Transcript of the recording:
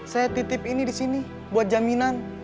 saya titip ini disini buat jaminan